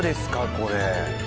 これ。